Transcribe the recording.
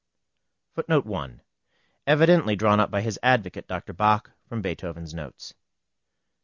[Footnote 1: Evidently drawn up by his advocate, Dr. Bach, from Beethoven's notes.